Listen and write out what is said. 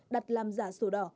đặt làm giả sổ đỏ